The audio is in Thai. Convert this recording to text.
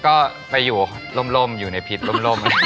ก็ไปอยู่ร่มอยู่ในพิษร่ม